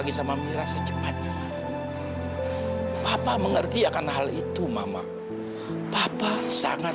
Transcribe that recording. harus benar benar meneliti kenyataan